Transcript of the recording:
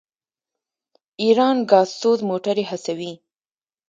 ایران ګازسوز موټرې هڅوي.